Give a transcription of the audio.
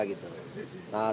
nah terima kasih